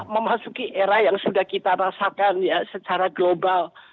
memasuki era yang sudah kita rasakan ya secara global